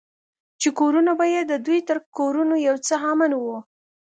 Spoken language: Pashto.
چې کورونه به يې د دوى تر کورونو يو څه امن وو.